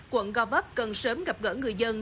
quận gò vấp cần sớm gặp gỡ người dân